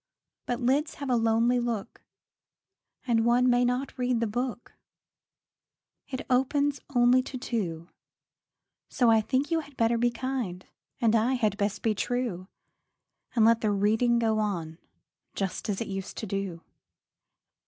But lids have a lonely look, And one may not read the book It opens only to two; So I think you had better be kind, And I had best be true, And let the reading go on, Just as it used to do.